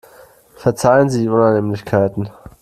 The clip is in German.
Verzeihen Sie die Unannehmlichkeiten.